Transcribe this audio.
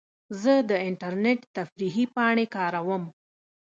زه د انټرنیټ تفریحي پاڼې کاروم.